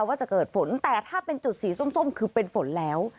ว่าจะเกิดฝนแต่ถ้าเป็นจุดสีส้มคือเป็นฝนแล้ว